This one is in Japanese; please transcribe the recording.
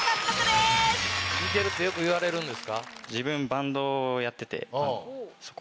似てるとよく言われるんですか？